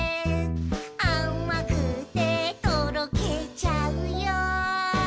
「あまくてとろけちゃうよ」